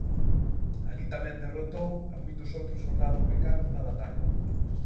Ali tamén derrotou a moitos outros soldados mecanos na batalla.